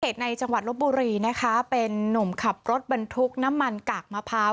ในจังหวัดลบบุรีนะคะเป็นนุ่มขับรถบรรทุกน้ำมันกากมะพร้าว